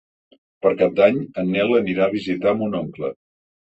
Per Cap d'Any en Nel anirà a visitar mon oncle.